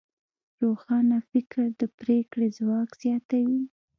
روښانه فکر د پرېکړې ځواک زیاتوي.